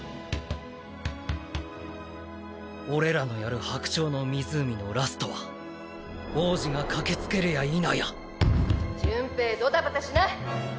俺らのやる「白鳥の湖」のラストは王子が駆けつけるやいなやドンドンドン潤平ドタバタしない！